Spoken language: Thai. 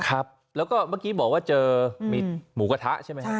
ครับแล้วก็เมื่อกี้บอกว่าเจอมีหมูกระทะใช่ไหมครับ